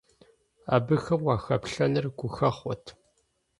Абыхэм уахэплъэныр гухэхъуэт!